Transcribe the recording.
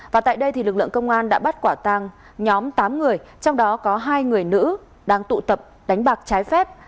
và tại đây lực lượng công an đã bắt quả tăng nhóm tám người trong đó có hai người nữ đang tụ tập đánh bạc trái phép